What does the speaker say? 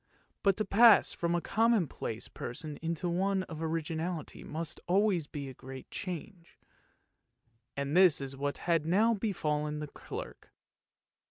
But to pass from a commonplace person into one of originality must always be a great change, and this is what had now befallen the clerk.